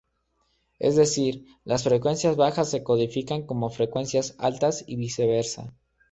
Es decir, las frecuencias bajas se codifican como frecuencias altas y viceversa.